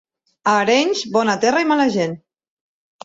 A Arenys, bona terra i mala gent.